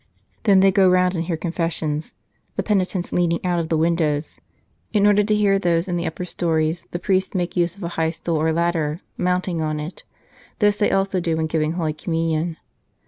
Then they go round and hear confessions, the penitents leaning out of the windows. In order to hear those in the upper stories, the priests make use of a high stool or ladder, mounting on it ; this they also do when giving Holy Communion.